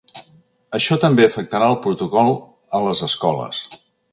Això també afectarà al protocol a les escoles.